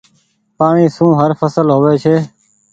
پآڻيٚ سون هر ڦسل هووي ڇي۔